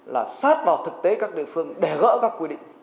nhắc vào thực tế các địa phương để gỡ các quy định